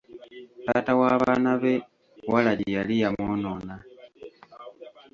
Taata w'abaana be walagi yali yamwonoona.